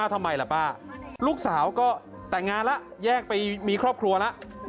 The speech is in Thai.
ทำไมล่ะป้าลูกสาวก็แต่งงานแล้วแยกไปมีครอบครัวแล้ว